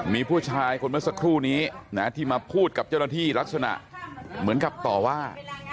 มีผู้ชายคนเมื่อสักครู่นี้นะที่มาพูดกับเจ้าหน้าที่ลักษณะเหมือนกับต่อว่า